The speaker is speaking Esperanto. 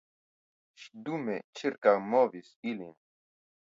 Ŝi dume ĉirkaŭmovis ilin.